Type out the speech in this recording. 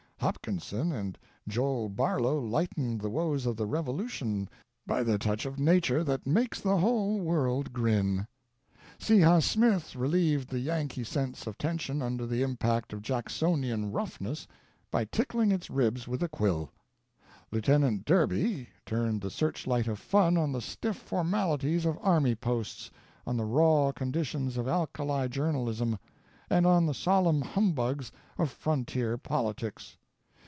Hopkinson and Joel Barlow lightened the rock of the Revolution by the touch of nature that makes the whole world grin. Seba Smith relieved the Yankee sense of tension under the impact of Jacksonian roughness by tickling its ribs with a quill. Lieut. Derby turned the searchlight of fun on the stiff formalities of army posts on the raw conditions of alkali journalism, and on the solemn humbugs of frontier politics.